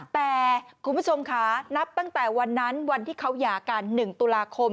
แต่คุณผู้ชมค่ะนับตั้งแต่วันนั้นวันที่เขาหย่ากัน๑ตุลาคม